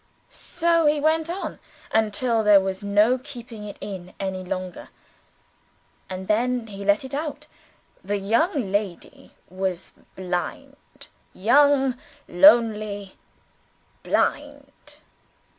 So he went on, until there was no keeping it in any longer and then he let it out. The young lady was blind! Young lonely blind.